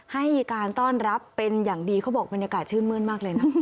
ให้การต้อนรับเป็นอย่างดีเขาบอกบรรยากาศชื่นมื้นมากเลยนะ